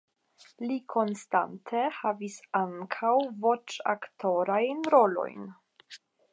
Li konstante havis ankaŭ voĉaktorajn rolojn.